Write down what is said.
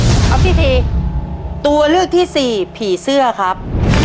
ตัวเลือกที่สี่ตัวเลือกที่สี่ผีเสื้อครับ